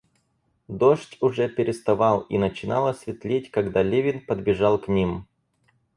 Дождь уже переставал, и начинало светлеть, когда Левин подбежал к ним.